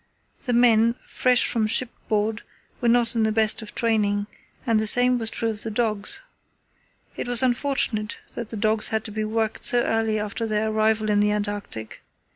The men, fresh from shipboard, were not in the best of training, and the same was true of the dogs. It was unfortunate that the dogs had to be worked so early after their arrival in the Antarctic.